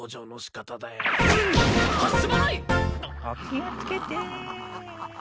気を付けて。